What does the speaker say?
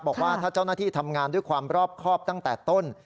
บอกว่าถ้าเจ้าหน้าที่ทำงานด้วยความรอบครอบตั้งแต่ต้น